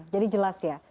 jadi jelas ya